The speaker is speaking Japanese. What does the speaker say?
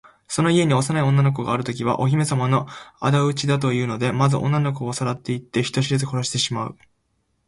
その家に幼い女の子があるときは、お姫さまのあだ討ちだというので、まず女の子をさらっていって、人知れず殺してしまう。